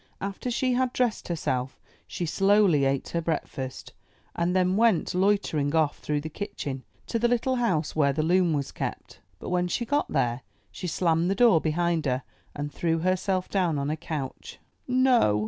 After she had dressed herself, she slowly ate her breakfast, and then went, loitering, off through the kitchen to the little house where the 253 MY BOOK HOUSE loom was kept. But when she got there, she slammed the door behind her, and threw herself down on a couch. '*No!